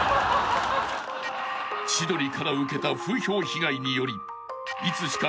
［千鳥から受けた風評被害によりいつしか］